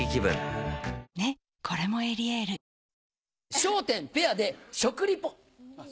『笑点』ペアで食リポ。